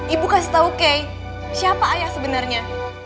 ibu kasih tau kay siapa ayah sebenarnya